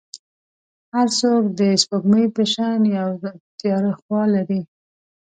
هر څوک د سپوږمۍ په شان یو تیاره خوا لري.